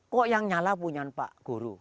kok yang nyala punya pak guru